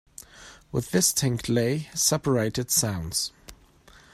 With distinctly separated sounds.